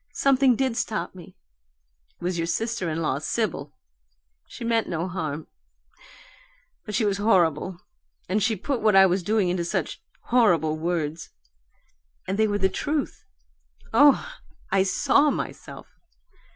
Something did stop me; it was your sister in law, Sibyl. She meant no harm but she was horrible, and she put what I was doing into such horrible words and they were the truth oh! I SAW myself!